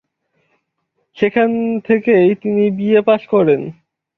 সেখান থেকেই তিনি বিএ পাশ করেন।